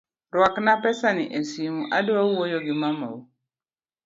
Ruakna pesani esimu adwaro wuoyo gi mamau.